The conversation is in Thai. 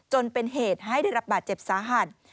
จนเป็นเหตุให้ได้รับบาดเจ็บสาหัส